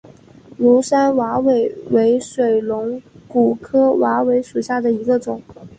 庐山瓦韦为水龙骨科瓦韦属下的一个种。